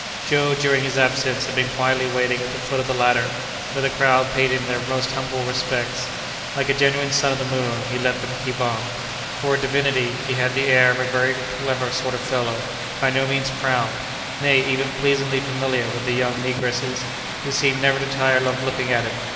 Joe, during his absence, had been quietly waiting at the foot of the ladder, where the crowd paid him their most humble respects. Like a genuine son of the moon, he let them keep on. For a divinity, he had the air of a very clever sort of fellow, by no means proud, nay, even pleasingly familiar with the young negresses, who seemed never to tire of looking at him.